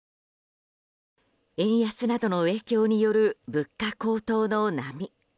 円安などの影響による物価高騰の波。